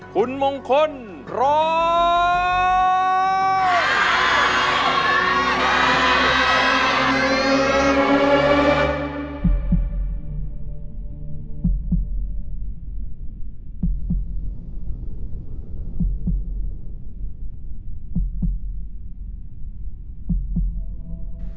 คุณมงคลร้อง